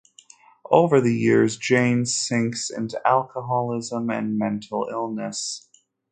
Over the years, Jane sinks into alcoholism and mental illness.